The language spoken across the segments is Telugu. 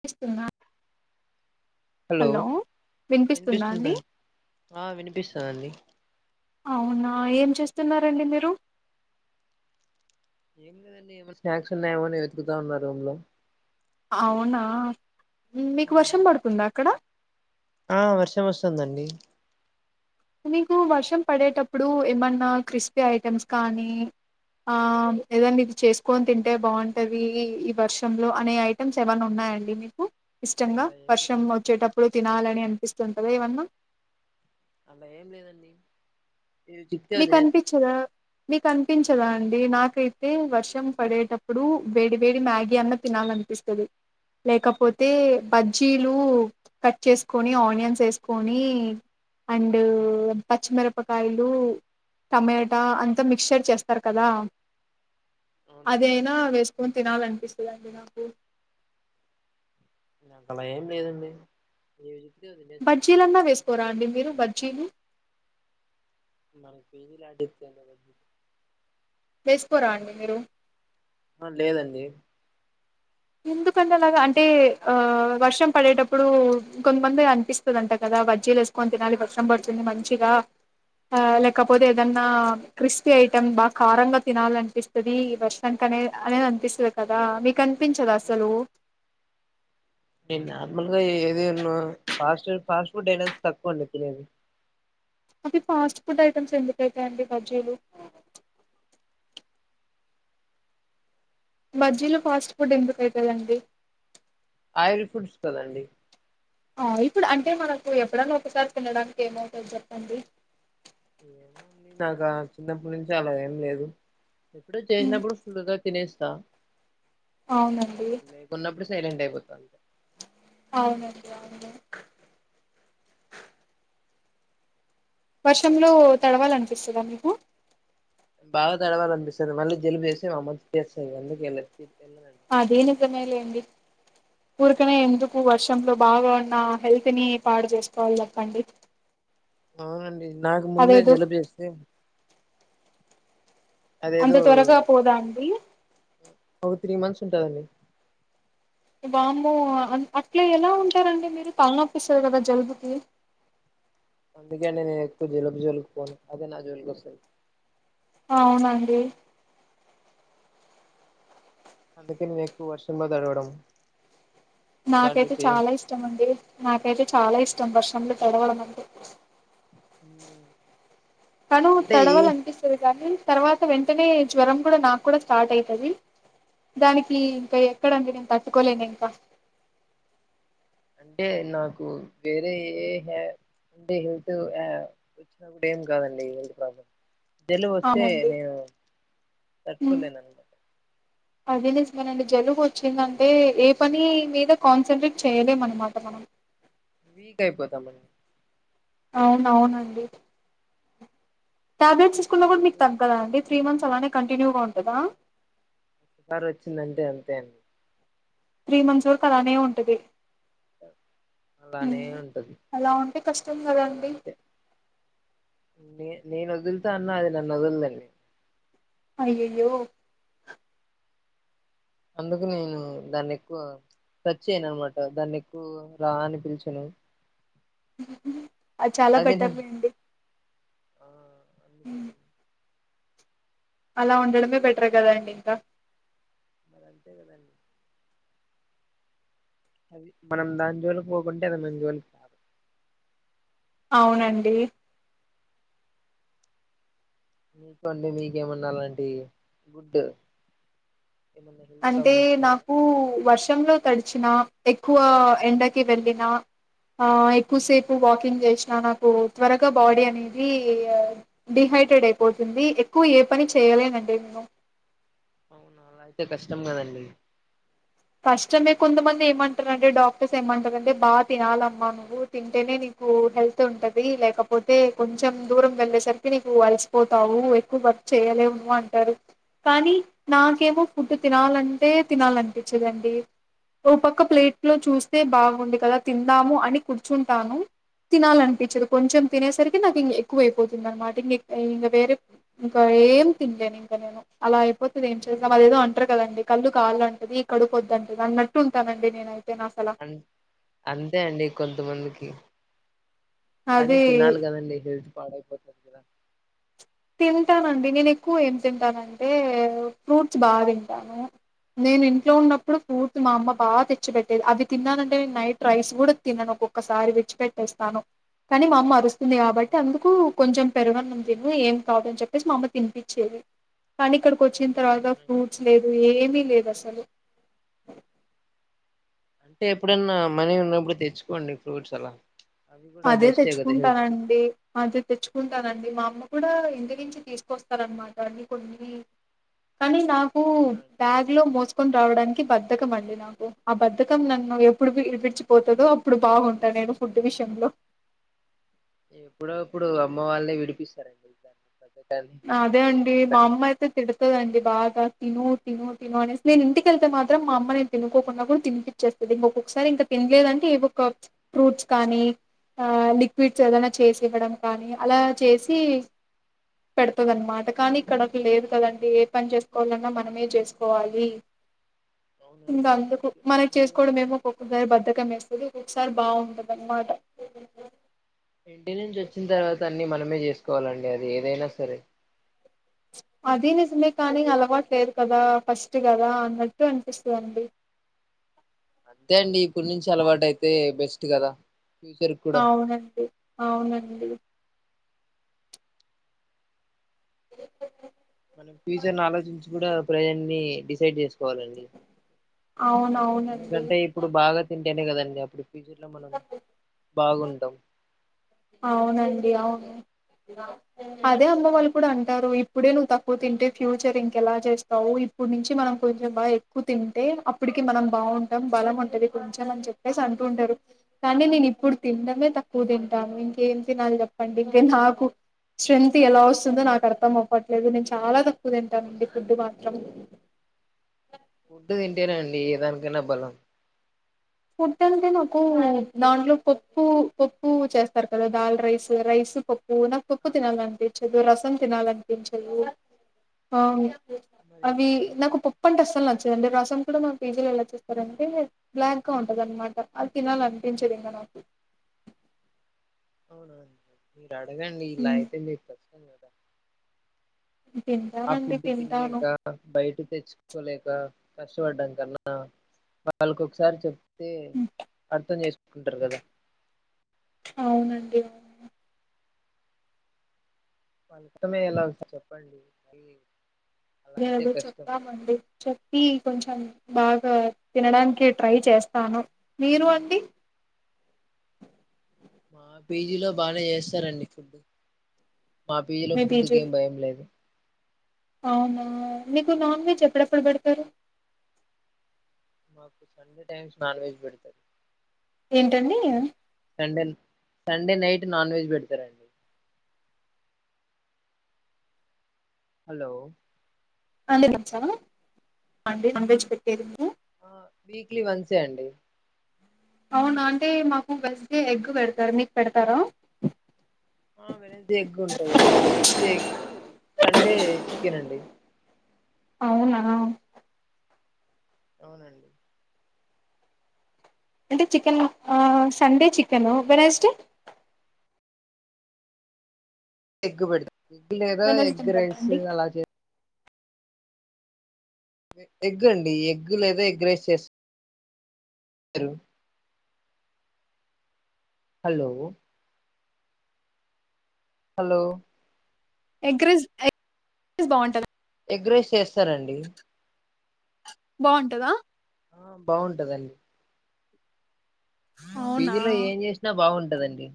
పిస్తుందా. హలో వినిపిస్తుందాండి. వినిపిస్తుందండి ఆ వినిపిస్తుందండి అవునా ఏం చేస్త్ స్తున్నారండి. మీరు ఏం లేదండి. ఏమన్ స్నాక్స్ ఉన్నాయేమోనని వెతుకుతా ఉన్నా రూమ్ లో అవునా మీకు వర్షం పడుతుందా, అక్కడ ఆ వర్షం వస్తుందండి. మీకు వర్షం పడేటప్పుడు ఏమన్నా క్రిస్పీ ఐటమ్స్ కానీ ఆమ్ ఏదండి. ఇది చేసుకొని తింటే బాగుంటది. ఈ వర్షంలో అనే ఐటమ్స్ ఏమన్నా ఉన్నాయండి. మీకు ఇష్టంగా అలా ఏం వర్షం లేదండి వచ్చేటప్పుడెక్ తినాలని అనిపిస్తుంటదా, ఏమన్నా అలా ఏం లేదండి. ఏది చిక్కితే అది మీకు తినేస్తా అనిపించదా మీకన్ పించద్వా అండి నాకైతే వర్షం పడేటప్పుడు వేడి, వేడి, మ్యాగీ అన్న తినాలనిపిస్తది. లేకపోత్ తే బజ్జీలు కట్ చేసుకొని ఆనియన్స్ వేసుకొని అండ్ పచ్చిమిరపకాయలు టమేటా అంతా మిక్చర్ చేస్తారు. కదా మ్మ్ అవునండి అదేయినా వేస్క్ కొన్ తినాలనిపిస్తుందండి. నాకున్ అలా ఏం లేదండి. ఇ ఇ బజ్జీలన్నా వేసుకోరా అండి. మీరు బజ్జీలు మనక్ పీజీలు ఆడిత్తేననేది ఇసుకోరాండి. మీరు ఆ లేదండి. ఎందుకంటే అలాగా అంటే ఆ వర్షం పడేటప్పుడూ ఇకొంమంది అనిపిస్తుందంట. కదా వజ్జీలు వేసుకొని తినాలి వర్షం పడుతుంది. మంచిగా ఆ లేకపోతే ఏదన్నా క్రిస్పీ ఐటెమ్ బాగా కారంగా తినాల్ అనిపిస్తుంది. వర్షాన్ కనే అనేది అనిపిస్తుంది. కదా మీకన్ నార్మల్గా ఏ ఫాస్ట్ ఫాస్ట్ ఫుడ్ అయినా తక్కువ అండి తినేది అవి ఫాస్ట్ ఫుడ్ ఐటమ్స్ ఎందుకుఅయితాయండి బజ్జీలు బజ్జీలో ఫాస్ట్ ఫుడ్ ఎందుకుఅయితయండి ఆయిల్ ఫుడ్స్ కదండి ఆహ్ ఇప్పుడు అంటే మనకు ఎప్పుడైన్నా ఒకసారి తినడానికి ఏమవుతది చెప్పండి [unintelligible] నాకు చిన్నప్పటి నుంచి అలా ఏం లేదు ఎప్పుడు హ్మ్ చేసినప్పుడు ఫుల్గా తినేస్తా అవునండి లేకున్నప్పుడు సైలెంట్ అయిపోత అవునండి అవును వర్షంలో తడవాలనిపిస్తదా మీకు బాగా తడవాలినిపిస్తది మళ్ళీ జలుబ చేస్తే మ ఆమ్మ చేస్తంది అందుకెళ్దు ఆది నిజమే లెండి ఊరికనే ఎందుకు వర్షంలో బాగా ఉన్న హెల్త్ ని పాడు చేసుకోవాలి చేపండి అవునండి నాకు ముందే జలుబ చేేస్తే అంత త్వరగా పోదా అండి టూ త్రీ మంత్స్ ఉంటదండి వామ్మో ఆహ్ అట్లా ఎలా ఉంటారంండి మీరు తలనొప్పి ఆస్తాదీ కదా జలుబుకి అందుకేే నేను ఎక్కువ జలుబ జోలుకి పోను అదే నా జోలికి వస్తుంది అవునా అండి అందుకే నేను ఎక్కువ వర్షంలో తడవడం అలాంటివి నాకైతే చేయను చాలా ఇష్టమ అండి నాకైతే చాలా ఇష్టం ట్టం వర్షంలో తడవడం అంటె హమ్ తను తడవాలి అనిపిస్తాది గాని తర్వాత వెంటనే జ్వరం కూడా నాకు కూడా స్టార్ట్ అయితది దానికి ఇంకా ఎక్కడ అండి నేను తట్టుకోలేను ఇంకా అంటే నాకు వేరే ఏ అంటే హెల్త్ ఆహ్ వచ్చినప్పుడు ఏం కాదండి హెల్త్ ప్రాబ్లమ్ జలుబు వస్తే అవునండి నేను తట్టుకోలేను అనమాట అది నిజమే అండి జలుబ వచ్చిందంటే ఏ పని మీద కాన్సన్ట్రేట్ చేయలేమునమాట మనం వీక్ అయిపోతాం మనం అవును అవునండి టాబ్లెట్ తీసుకున్న కూడా మీకు అందుకు తగాదా అండి త్ర మంత్స్ ఆలానే కంటిన్యూగా ఉంటదా ఒక్కసారి వచ్చిందంటే అంతే అండి త్రీ మంత్స్ వరకు అలానే ఉంటది అలానే ఉంటది అలా ఉంటే కష్టం కదండి అదంతే నేను వదులుతా అన్నా అది నన్ను వదలండి అయ్యాయో అందుకు నేను దాన్ని ఎక్కువ టచ్ చేయను అనమాట దాన్ని ఎక్కువ రా అని పిలుచను చాలా నన్ను బెటర్లేండి ఆ ఒకే అలా ఉండడమే బెటర్ కదండి ఇంకా మరి అంతే కదండి అది మనం దాని జోలుకి పోకుంటే అది మన జోలికి అవునండి మికండీ మీకేమన్న అలాంటివి గుడ్ ఏమన్నా హెల్త్ అంటే ప్రాబ్లమ్స్ ఉన్నాయా నాకు వర్షంలో తడి చిన ఎక్కువ ఎండకి వెళ్ళిన ఆ ఎక్కువసేపు వాకింగ్ చేసి నాకు త్వరగా బాడీ అనేది డిహైడ్రేట్ అయిపోతుంది ఎక్కువ ఏ పని చేయలేనండి నేను అలా అయితే కష్టం కదండి కష్టమే కొంతమంది ఏమంటరంటే డాక్టర్స్ ఏమంటరంటే బాగా తినాలమ్మా నువ్వు తింటేనే నీకు హెల్త్ ఉంటది లేకపోతే కొంచెం దూరం వెళ్ళేసరికి నీకు అలసిపోతావు ఎక్కువ వర్క్ చేయలేవు నువ్ అంటారు కానీ నాకేమో ఫుడ్ తినాలంటే తినాలాంటే చెయండి ఓ పక్క ప్లేట్ లో చూస్తే బాగుంది కదా తిందాము అని కూర్చుంటాను తినాలనిపించదు కొంచెం తినేసరికి నాకు ఇం ఎక్కువ అయిపోతుంది అనమాట ఇంగె ఇంగ వేరే ఇంకా ఏం తినలేను ఇంక నేను అలా అయిపోతుంది ఏం చేస్ ద్దాంఅదేదో అంటారు కదండి కళ్ళు కాళ అంటది కడుపు వద్దంటది అన్నట్టు ఉంటానండి నేనై అన్ అంతే అండి కొంతమందికి కానీ అదే తినాల్ గదండి హెల్త్ పాడై పోతది కదా తింటానండి నేను ఎక్కువ ఏం తింటానంటే ఫ్రూట్స్ బాగా తింటాను నేను ఇంట్లో ఉన్నప్పుడు ఫ్రూట్స్ మా అమ్మ బాగా తెచ్చిపెట్టేది అవి తిన్నానంటే నేను నైట్ రైస్ కూడా తిన్నాను ఒక్కొక్కసారి విచ్చిపెట్టేస్తాను కానీ మా అమ్మ అరు స్తుంది కాబట్టి అవును. అందుకు కొంచెం పెరుగన్నం తిను ఎం కాదని చెప్పేసి మా అమ్మ తినిపించేది కానీ ఇక్కడ వచ్చిన తర్వాత అవునండి ఫ్రూట్స్ లేదు ఏం మీలేదసలు అంటే ఎప్పుడన్నా మనీ ఉన్నప్పుడు తెచ్చుకోండి ఫ్రూట్స్ అలా అవి కూడా అదే బెస్టే కదా హెల్త్ కి తెచ్చుకుంటానండి అదే తెచ్చుకుంటానండి మా అమ్మ కూడా ఇంటి నుంచి తీసుకొస్తారన్నమాట అవి కొన్ని కానీ నాకు అవునండి బ్యాగ్ లో మోసు కొని రావడానికి బద్ధకం అండి నాకు ఆ బద్ధకం నన్ను ఎప్పుడు విడి విడిచిపోతదో అప్పుడు బాగుంటా నేను ఫుడ్ విషయంలో ఎప్పుడో అప్పుడు అమ్మ వాళ్ళే విడిపిస్తారండి బద్దకాన్ని అదే దీనుండి అండి మా ఖచ్చితంగా అమ్మ అయితే తిడుతుదండి బాగా తిను తిను తిను అనేస్తే నేను ఇంటికెళ్తే మాత్రం మా అమ్మ నేను తినుకోకుండా కూడా తినిపిచేస్తది ఇంకొకొక్కసారి ఇంకా తినలేదంటే ఏ ఒక ఫ్రూట్స్ కానీ ఆ లిక్విడ్స్ ఏదైనా చేసి ఇవ్వడం కానీ అలా చేసి పెడతుదన్నమాట కానీ ఇక్కడకి లేదు కదండి ఏ పని చేసుకోవాలన్నా మనమే చేసుకోవాలి అవునండి ఇంకా అందుకు అందుకే మనకి అంటే చేసుకోవడం ఏమో ఒక్కసారి బద్దకం వేస్తది ఒకసారి బాగుంటుందన్నమాట ఇంటి నుంచి వచ్చిన తర్వాత అన్ని మనమే చేసుకోవాలండి అది ఏదైనా సరే అది నిజమే కానీ అలవాట్లేదు కదా ఫస్ట్ కదా అన్నట్టు అనిపిస్తుందండి అంతే అండి ఇప్పుడు నుంచి అలవాటు అయితే బెస్ట్ కదా ఫ్యూచర్ కూడా అవునండి అవునండి [inaudible] మనం ఫ్యూచర్ ని ఆలోచించి కూడా ప్రజల్ని డిసైడ్ చేసుకోవాలండి అవున అవునండి అనే కదండి అప్పుడు పజలా మనం బాగుండవు అవునండి అవును అదే అమ్మ వాళ్ళు కూడా అంటారు ఇప్పుడే నువ్వు తక్కువ తింటే ఫ్యూచర్ ఇంకెలా చేస్తావు ఇప్పుడు నుంచి మనం కొంచెం బాగా ఎక్కువ తింటే అప్పటికి మనం బాగుంటాం బలం ఉంటది కొంచెం అని చెప్పేసి అంటుంటారు కానీ నేను ఇప్పుడు తినమే తక్కువ తింట ఇంకేం తినాలి చెప్పండి ఇంక నాకు స్ట్రెంగ్్ ఎలా వస్తుందో నాకు అర్థం అవ్వట్లేదు నేను చాలా తింటామండి ఫుడ్ వస్తున్నా మాత్రం ఫుడ్డు తింటేనండి ఏ దానికైనా బలం ఫుడ్ అంటే నాకు దాంట్లో పప్పు పప్పు చేస్తారు కదా దాల్ రైస్ రైస్ పప్పు నాకు పప్పు తినాలనిపించదు రసం తినాలనిపించదు ఆ మరి ఏం అవి నాకు తింటానండి పప్పు అంటే అస్సలు నచ్చదండి రసం కూడా మాకు పిజిలో ఎలా చేస్తారంటే [unintelligible] ఉంటదన్నమాట అది తినాలి అనిపించేదు ఇంంగా నాకు అవునా అడగండి ఇలా హ్మ్. అయితే ఆ తింటానండి ఫుడ్ తింటాను తినలేక బయట తెచ్చుకోలేక కష్టపడ్డాం కన్నా వాళ్ళకి ఒకసారి చెప్ అే హ్మ్. అర్థం చేసు [unintelligible] చెకుంటారు కదా అవునండి అవును మంతమే ఎలా చెప్పండి అ [unintelligible] అదే అద చెప్పామండి చెప్పి కొంచెం బాగా తినడానికి ట్రై చేస్తాను నేను అండి మా పీజీలో బాగా చేస్తారండి ఫుడ్ మా పేజీలో మీ ఫుడ్కి పీజీలు ఏం భయం లేదు అవునా మీకు నాన్ వెజ్ ఎప్పుడెప్పుడు పెడతారు మాకు సండే టైమ్స్ నాన్ వెజ్ పెడుతుంది ఏంటండి సండే నైట్ నాన్ వెజ్ పెడతారంండి హలో అే మంచవాడి నాన్ వెజ్ పెట్టేది మీరు ఆ వీక్లీ వన్సే అండి అవునా అంటే మాకు వెనస్డే ఎగ్ పెడతారు మీకు పెడతారా ఆ వెనస్డే ఎగ్ ఉంటదండి. Wednesday egg. సండే చికెన్ అండి. అవునా. అవునండి. అంటే చికెన్. ఆహ్ సండే చికెను వెనస్డే ఎగ్గు పెడ్తాం ఎగ్ లేదా వెనస్డే ఎగ్ రైస్ పెడతాండి అలా చే ఎగ్ అండి. ఎగ్ లేదా ఎగ్ రైస్ చేస్ [unintelligible] hello hello egg rice, egg rice బాగుంటద ఎగ్ రైస్ చేస్తారండి. బావుంటదా ఆహ్ బాగుంటదండి. మా అవునా పీజీలో ఏం చేసినా బావుం ఉంటాదండి.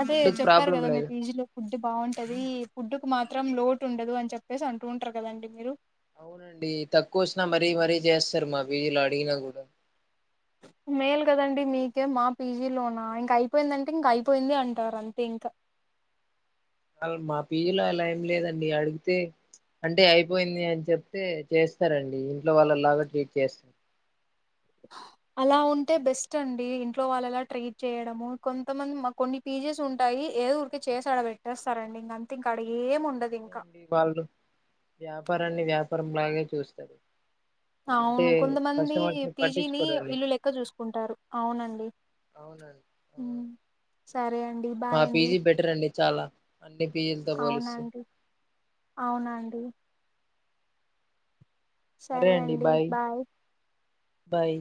అదే చెప్పారు. కదా మీ పీజీలో ఫుడ్ బాగుంటది. ఫుడ్ మాత్రం లోటు ఉండదు. అని చెప్పేసి అంటూ ఉంటరు కదండి. మీరు అవునండి. తక్కువ వచ్చినా మరీ మరీ చేస్తారు. మా విధి లో అడిగినా కూడా మేల్ కదండి. మీకే మా పీజీ లోనా ఇంక అయిపోయిందంటే ఇంక అయిపోయింది. అంటారు. అంతే ఇంక. మల్ మా పీజీలో అలా ఏం లేదండి. అడిగితే అంటే అయిపోయింది. అని చెప్తే చేస్తారండి. ఇంట్లో వాళ్ళలాగా ట్రీట్ చేస్తారు. అలా ఉంటే బెస్ట్ అండి. ఇంట్లో వాళ్ళలా ట్రీట్ చేయడము. కొంతమంది కొన్ని పీజీస్ ఉంటాయి. ఏదో ఊరికే చేసి అడ పెట్టేస్తారండి. ఇంకంతే ఇంకా అడ ఏం ఉం [inaudible] పండ్లు వ్యాపారాన్ని వ్యాపారం లాగే చూస్తారు. అంటే అవును కొంతమంది కస్టమర్స్ ని పీజీని పట్టించుకోరండి ఇల్లు లెక్క చూసుకుంటారు. అవునండి. అవునండి ఆ, సరే అండి మా బాయ్ అండి. పీజీ బెటర్ అండి చాలా అండి. అవునండి అవునండి సరే అండి బాయ్. బాయ్